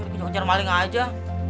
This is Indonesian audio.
kejar kejar maling aja